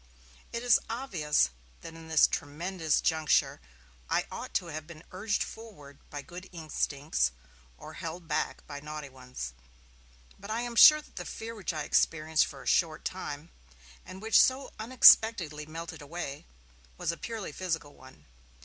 It is obvious that in this tremendous juncture I ought to have been urged forward by good instincts, or held back by naughty ones. But I am sure that the fear which I experienced for a short time, and which so unexpectedly melted away, was a purely physical one.